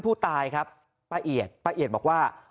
ผู้ตายครับป้าเอียดป้าเอียดบอกว่า